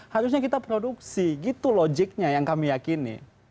harusnya kita produksi gitu logiknya yang kami yakin nih